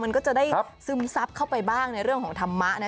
มันก็จะได้ซึมซับเข้าไปบ้างในเรื่องของธรรมะนะ